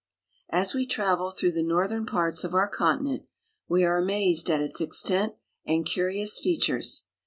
As we travel through the northern parts of our continent we are amazed at its extent and curious features.